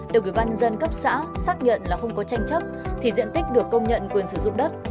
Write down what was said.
được ủy ban nhân dân cấp xã xác nhận là không có tranh chấp thì diện tích được công nhận quyền sử dụng đất